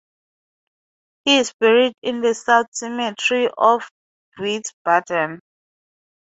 He is buried in the South Cemetery of Wiesbaden.